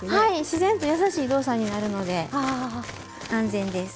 自然とやさしい動作になるので安全です。